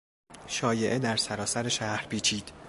شایعه در سراسر شهر پیچید.